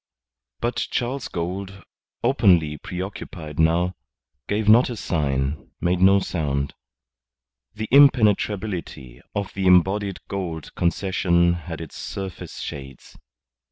But Charles Gould, openly preoccupied now, gave not a sign, made no sound. The impenetrability of the embodied Gould Concession had its surface shades.